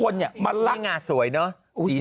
นี่อย่างนี้